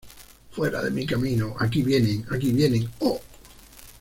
¡ Fuera de mi camino! ¡ aquí vienen! ¡ aquí vienen! ¡ oh!